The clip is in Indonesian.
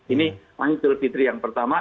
ini idul fitri yang pertama